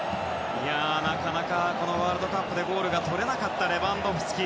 なかなかワールドカップでゴールが取れなかったレバンドフスキ。